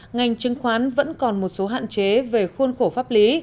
ngành chứng khoán vẫn còn một số hạn chế về khuôn khổ pháp lý